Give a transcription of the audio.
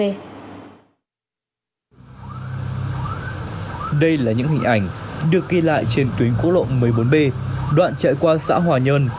đây là những hình ảnh được ghi lại trên tuyến quốc lộ một mươi bốn b đoạn chạy qua xã hòa nhơn